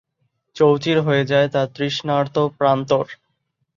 চৌচির হয়ে যায় তার তৃষ্ণার্ত প্রান্তর।